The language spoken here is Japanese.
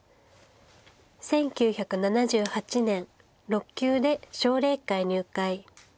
１９７８年６級で奨励会入会。